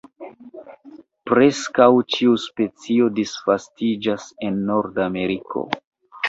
Preskaŭ ĉiu specio disvastiĝas en Nordameriko.